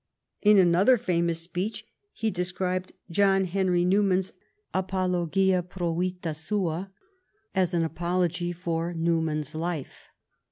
In another famous speech he described John Henry New man's "Apologia pro Vita Sua" as an "apology" for Newman s life.